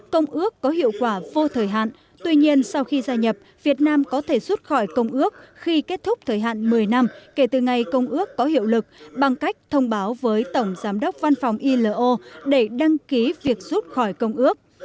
công ước có hiệu quả vô thời hạn tuy nhiên sau khi gia nhập việt nam có thể rút khỏi công ước khi kết thúc thời hạn một mươi năm kể từ ngày công ước có hiệu lực bằng cách thông báo với tổng giám đốc văn phòng ilo để đăng ký việc rút khỏi công ước